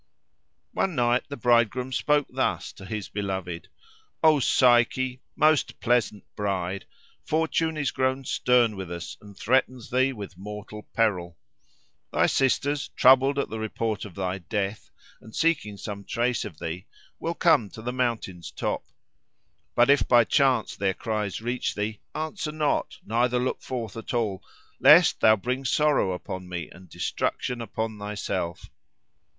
One night the bridegroom spoke thus to his beloved, "O Psyche, most pleasant bride! Fortune is grown stern with us, and threatens thee with mortal peril. Thy sisters, troubled at the report of thy death and seeking some trace of thee, will come to the mountain's top. But if by chance their cries reach thee, answer not, neither look forth at all, lest thou bring sorrow upon me and destruction upon thyself."